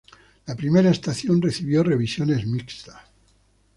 La primera estación recibió revisiones mixtas.